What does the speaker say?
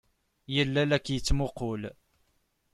Yella la k-yettmuqqul.